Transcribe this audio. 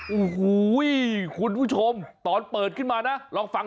โอ้โหคุณผู้ชมตอนเปิดขึ้นมานะลองฟัง